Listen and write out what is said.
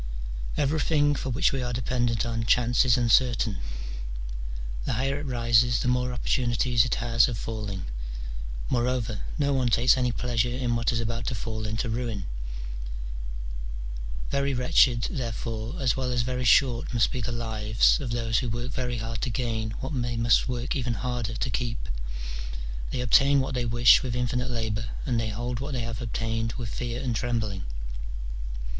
Everything for which we are dependent on chance is uncertain : the higher it rises, the more opportunities it has of falling. Moreover, no one takes any pleasure in what is about to fall into ruin : very wretched, therefore, as well as very short must be the lives of those who work very hard to gain what they must work even harder to keep : they obtain what they wish with infinite labour, and they hold what they have obtained with fear and trembling.